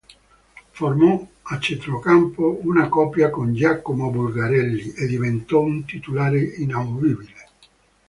Formò a centrocampo una coppia con Giacomo Bulgarelli e diventò un titolare inamovibile.